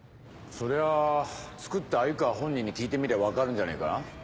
それは作った鮎川本人に聞いてみりゃ分かるんじゃねえか？